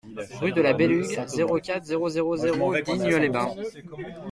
Rue de la Belugue, zéro quatre, zéro zéro zéro Digne-les-Bains